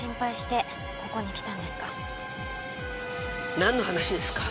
なんの話ですか？